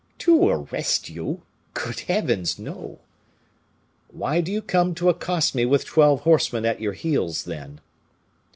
"To arrest you? Good heavens! no." "Why do you come to accost me with twelve horsemen at your heels, then?"